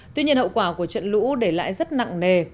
tuy nhiên hậu quả của trận lũ để lại rất nặng nề